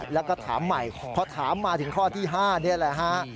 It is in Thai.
แล้วก็ถามใหม่พอถามมาถึงข้อที่๕นี่แหละฮะ